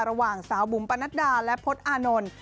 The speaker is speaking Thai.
ระหว่างสาวบุ๋มปนัดดาและพจน์อานนท์